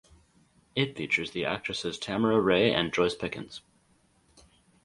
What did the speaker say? It features the actresses Tamara Rey and Joyce Pickens.